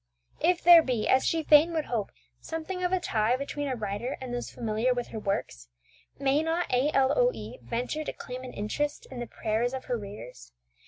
If there be, as she fain would hope, something of a tie between a writer and those familiar with her works, may not A. L. O. E. venture to claim an interest in the prayers of her readers?